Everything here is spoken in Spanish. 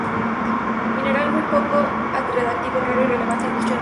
Mineral muy poco radiactivo, raro, irrelevante industrialmente.